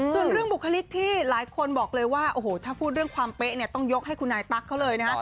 ส่วนเรื่องบุคลิกที่หลายคนบอกเลยว่าโอ้โหถ้าพูดเรื่องความเป๊ะเนี่ยต้องยกให้คุณนายตั๊กเขาเลยนะฮะ